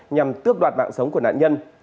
nhằm tước đoạt mạng sống của nạn nhân